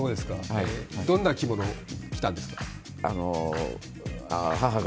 どんな着物を着たんですか。